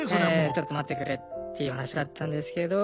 ちょっと待ってくれっていう話だったんですけど。